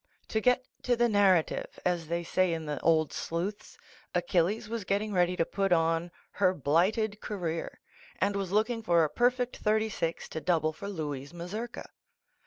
To get to the narrative, as they say in the Old Sleuths :— Achilles was getting readv to put on "Her Blighted Career" and was looking for a perfect thirty six to double for Louise Mazurka.